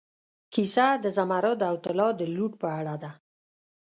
کیسه د زمرد او طلا د لوټ په اړه ده.